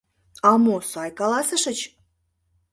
А мо, сай каласышыч.